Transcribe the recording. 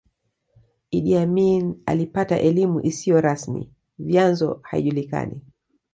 Idi Amin alipata elimu isiyo rasmi vyanzo haijulikani